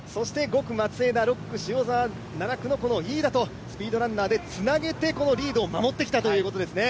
５区・松枝、６区・塩澤７区の飯田とスピードランナーでつなげてリードを守ってきたということですね。